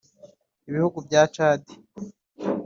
Ibihugu bya Chad